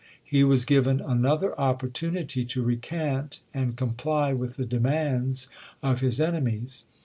He was given another opportunity to recant and comply with the demands of his enemies.